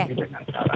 tapi dengan cara